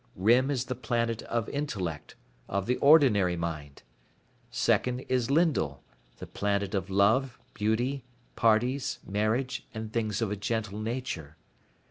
Rym is the planet of intellect, of the ordinary mind. Second, is Lyndal, the planet of love, beauty, parties, marriage, and things of a gentle nature.